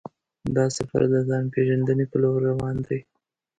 دا سفر د ځان پېژندنې پر لور روان دی.